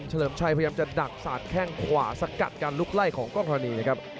เลิมชัยพยายามจะดักสาดแข้งขวาสกัดการลุกไล่ของกล้องธรณีนะครับ